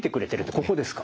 ここですか。